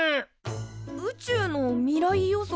宇宙の未来予測？